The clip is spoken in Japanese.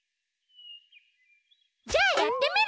じゃあやってみる！